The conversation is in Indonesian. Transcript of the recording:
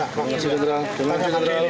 terima kasih jenderal